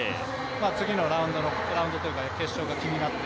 次のラウンドというか決勝が気になって。